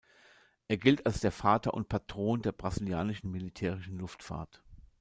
Er gilt als der Vater und Patron der brasilianischen militärischen Luftfahrt.